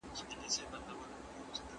انا